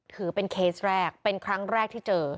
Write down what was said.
ถือเป็นเคสแรกเป็นครั้งแรกที่เจอ